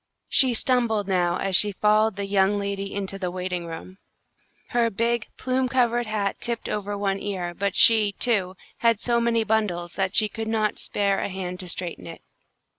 She stumbled now as she followed the young lady into the waiting room. Her big, plume covered hat tipped over one ear, but she, too, had so many bundles, that she could not spare a hand to straighten it.